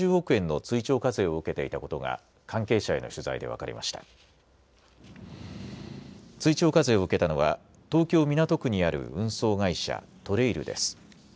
追徴課税を受けたのは東京港区にある運送会社、ＴＲＡＩＬです。